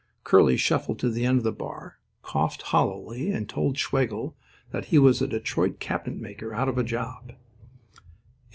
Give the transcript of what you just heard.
Curly shuffled to the end of the bar, coughed hollowly, and told Schwegel that he was a Detroit cabinet maker out of a job.